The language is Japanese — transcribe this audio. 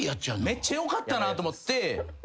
めっちゃよかったなと思って。